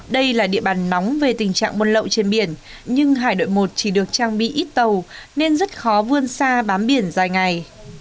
đây là địa bàn nóng về tình trạng buôn lậu trên biển nhưng hải đội một chỉ được trang bị ít tàu nên rất khó vươn xa bám biển dài ngày